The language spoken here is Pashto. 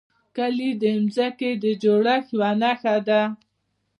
کلي د ځمکې د جوړښت یوه نښه ده.